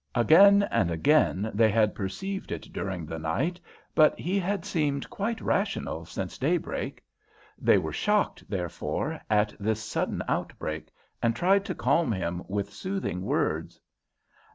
Again and again they had perceived it during the night, but he had seemed quite rational since daybreak. They were shocked, therefore, at this sudden outbreak, and tried to calm him with soothing words.